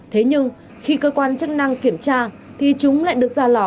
thế nhưng khi cơ quan chức năng kiểm tra thì chúng lại được ra lò